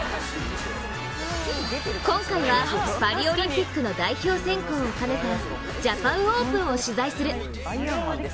今回はパリオリンピックの代表選考を兼ねたジャパンオープンを取材する。